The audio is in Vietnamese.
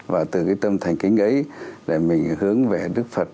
và từ cái tâm thành kính ấy để mình hướng về đức phật